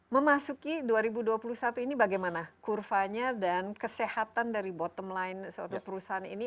memasuki dua ribu dua puluh satu ini bagaimana kurvanya dan kesehatan dari bottom line suatu perusahaan ini